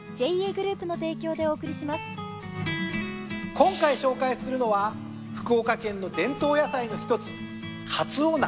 今回紹介するのは福岡県の伝統野菜の一つかつお菜。